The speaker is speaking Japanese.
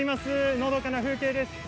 のどかな風景です。